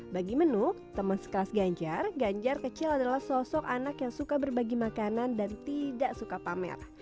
bagi menuk teman sekelas ganjar ganjar kecil adalah sosok anak yang suka berbagi makanan dan tidak suka pamer